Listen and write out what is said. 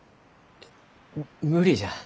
無理じゃ。